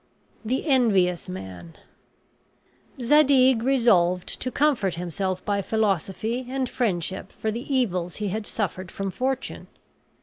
THE ENVIOUS MAN Zadig resolved to comfort himself by philosophy and friendship for the evils he had suffered from fortune.